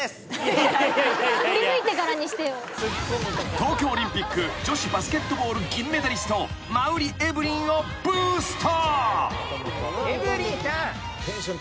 ［東京オリンピック女子バスケットボール銀メダリスト馬瓜エブリンをブースト］